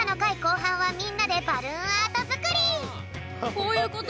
こういうこと？